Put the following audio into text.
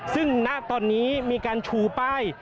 ซึ่งณตอนนี้มีการชูป้าย